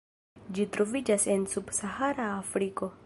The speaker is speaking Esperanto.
Ĝi troviĝas en subsahara Afriko.